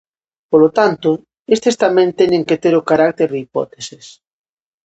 Polo tanto, estes tamén teñen que ter o carácter de hipóteses.